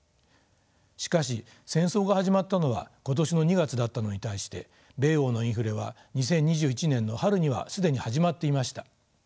しかし戦争が始まったのは今年の２月だったのに対して米欧のインフレは２０２１年の春には既に始まっていました。